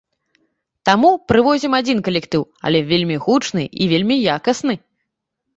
Таму прывозім адзін калектыў, але вельмі гучны і вельмі якасны.